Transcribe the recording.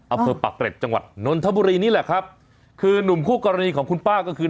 อำเภอปากเกร็ดจังหวัดนนทบุรีนี่แหละครับคือนุ่มคู่กรณีของคุณป้าก็คือ